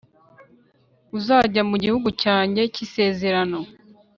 Uzajya mu gihugu cyanjye cy’Isezerano